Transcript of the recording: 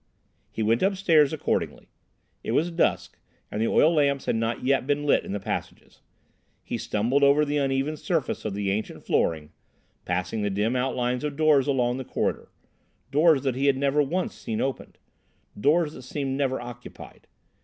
He went upstairs accordingly. It was dusk, and the oil lamps had not yet been lit in the passages. He stumbled over the uneven surface of the ancient flooring, passing the dim outlines of doors along the corridor—doors that he had never once seen opened—rooms that seemed never occupied.